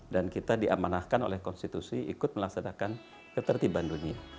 dan kita diamanahkan oleh konstitusi ikut melaksanakan ketertiban dunia